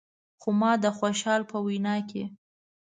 خو ما د خوشحال په وینا کې.